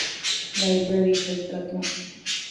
ލައިބްރަރީފޮތް ގަތުން